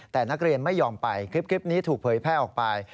แต่นักเรียนไม่ยอมไปคลิปนี้ถูกเผยแพร่ออกไป